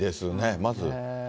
まず。